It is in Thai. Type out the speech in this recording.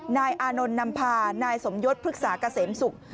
นายอานนท์นำพานายสมยศพฤกษาเกษมศุกร์